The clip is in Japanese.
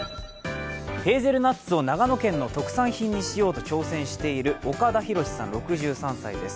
ヘーゼルナッツを長野県の特産品にしようとしている岡田浩史さん６３歳です。